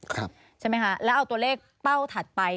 ใช่ไหมคะแล้วเอาตัวเลขเป้าถัดไป